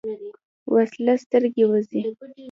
وسله سترګې وځي